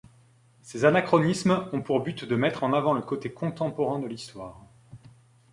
Ces anachronismes ont pour but de mettre en avant le côté contemporain de l'histoire.